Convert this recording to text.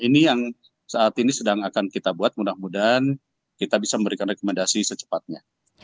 ini yang saat ini sedang akan kita buat mudah mudahan kita bisa memberikan rekomendasi secepatnya